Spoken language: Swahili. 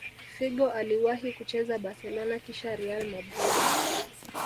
figo aliwahi kucheza barcelona kisha real madrid